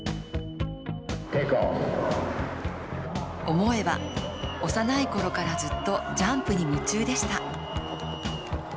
思えば、幼い頃からずっとジャンプに夢中でした。